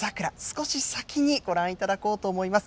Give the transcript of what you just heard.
少し先にご覧いただこうと思います。